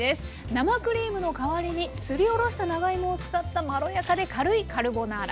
生クリームの代わりにすりおろした長芋を使ったまろやかで軽いカルボナーラ。